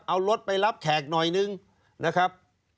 เอารถไปรับแขกหน่อยนึงนะครับ